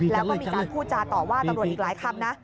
แล้วก็มีการพูดจาต่อว่าตำรวจอีกหลายคำนะ